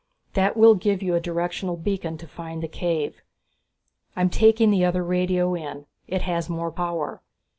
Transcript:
That will give you a directional beacon to find the cave. I'm taking the other radio in it has more power.